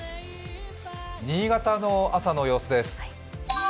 新潟の朝の様子です。